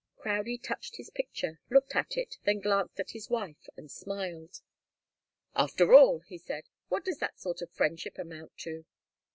Crowdie touched his picture, looked at it, then glanced at his wife and smiled. "After all," he said, "what does that sort of friendship amount to?"